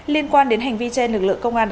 liên quan đến hành vi trên lực lượng công an